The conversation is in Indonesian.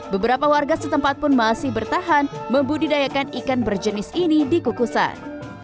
beberapa warga setempat pun masih bertahan membudidayakan ikan berjenis ini di kukusan